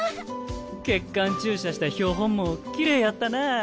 血管注射した標本もきれいやったな。